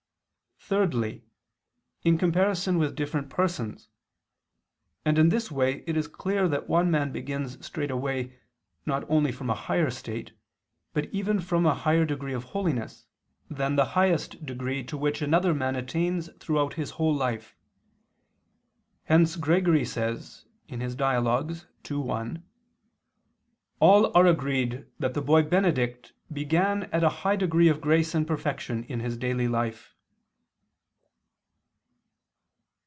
Thirdly, in comparison with different persons; and in this way it is clear that one man begins straightway not only from a higher state, but even from a higher degree of holiness, than the highest degree to which another man attains throughout his whole life. Hence Gregory says (Dial. ii, 1): "All are agreed that the boy Benedict began at a high degree of grace and perfection in his daily life."